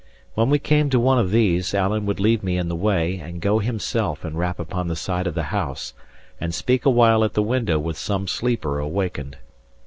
When we came to one of these, Alan would leave me in the way, and go himself and rap upon the side of the house and speak awhile at the window with some sleeper awakened.